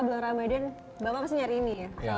bulan ramadhan bapak pasti nyari ini ya